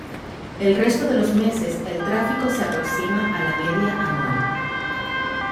El resto de los meses el tráfico se aproxima a la media anual.